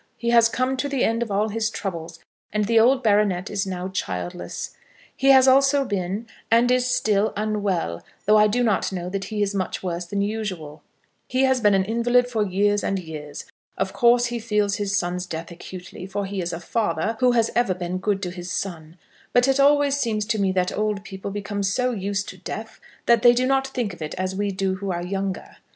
He has come to the end of all his troubles, and the old baronet is now childless. He also has been, and is still, unwell, though I do not know that he is much worse than usual. He has been an invalid for years and years. Of course he feels his son's death acutely; for he is a father who has ever been good to his son. But it always seems to me that old people become so used to death, that they do not think of it as do we who are younger.